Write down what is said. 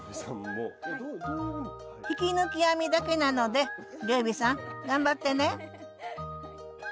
引き抜き編みだけなので龍美さん頑張ってね！